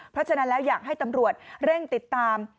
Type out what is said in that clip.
เพราะฉะนั้นแล้วอยากให้ตำรวจเร่งติดตาม